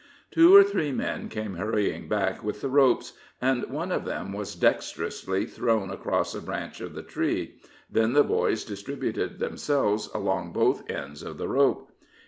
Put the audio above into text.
Two or three men came hurrying back with the ropes, and one of them was dexterously thrown across a branch of the tree. Then the boys distributed themselves along both ends of the rope.